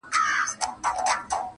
میخانه ده نړېدلې تش له میو ډک خُمونه،